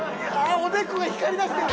おでこが光り出してる！